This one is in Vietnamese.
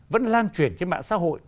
vẫn lan truyền trên mạng xã hội